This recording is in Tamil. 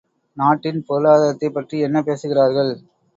நாட்டின் பொருளாதாரத்தைப் பற்றி என்ன பேசுகிறார்கள்?